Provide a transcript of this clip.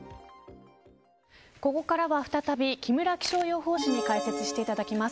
ここからは再び木村気象予報士に解説していただきます。